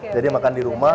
jadi makan di rumah